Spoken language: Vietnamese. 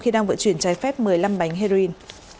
khi đang vận chuyển trái phép một mươi năm bánh heroin